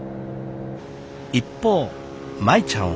一方舞ちゃんは。